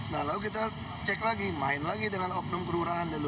nah lalu kita cek lagi main lagi dengan opnum kerurahan dulu